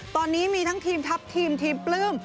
ตอนนี้มีทั้งทีมทัพทีมทีมปลื้ม